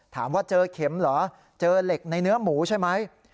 ถามว่าเจอเข็มเหรอเจอเหล็กในเนื้อหมูใช่ไหม